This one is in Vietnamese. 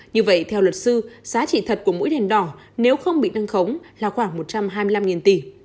như vậy theo luật sư giá trị thật của mũi đèn đỏ nếu không bị nâng khống là khoảng một trăm hai mươi năm tỷ